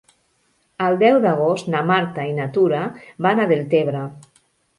El deu d'agost na Marta i na Tura van a Deltebre.